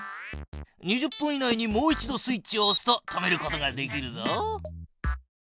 ２０分以内にもう一度スイッチをおすと止めることができるぞ。